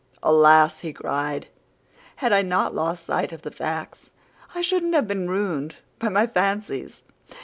"Alas," he cried, "had I not lost sight of the facts, I shouldn't have been ruined by my fancies."